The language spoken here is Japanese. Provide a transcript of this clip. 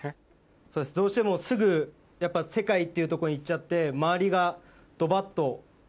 そうですどうしてもすぐ世界っていうとこ行っちゃって周りが。